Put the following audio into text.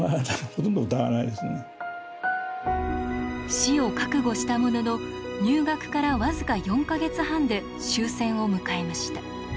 死を覚悟したものの入学から僅か４か月半で終戦を迎えました。